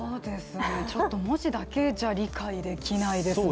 ちょっと、文字だけじゃ理解できないですね。